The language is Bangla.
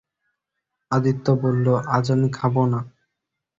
আদিত্য বলল, আজ আমি খাব না।